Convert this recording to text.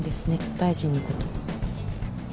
大臣のこと。